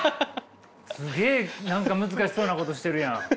すげえ何か難しそうなことしてるやん。